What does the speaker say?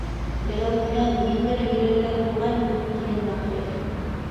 — Берәүһенә мин дә бирергә булғайным, — тине Баҡый.